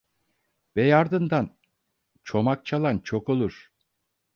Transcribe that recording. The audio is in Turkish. Bey ardından çomak çalan çok olur.